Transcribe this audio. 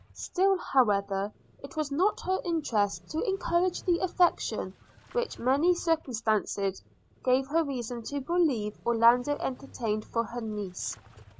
Still, however, it was not her interest to encourage the affection which many circumstances gave her reason to believe Orlando entertained for her niece.